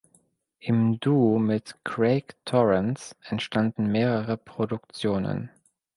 Im Duo mit Craig Torrance entstanden mehrere Produktionen.